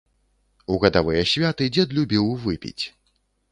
У гадавыя святы дзед любіў выпіць.